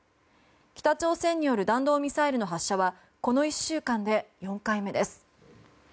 北朝鮮による弾道ミサイルの発射はこの１週間で４回目です。